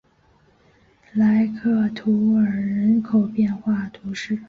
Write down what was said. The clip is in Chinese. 莱克图尔人口变化图示